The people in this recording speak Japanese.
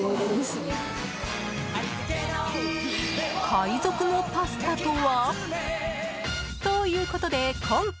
海賊のパスタとは？